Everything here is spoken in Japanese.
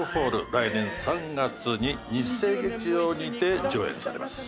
来年３月に日生劇場にて上演されます。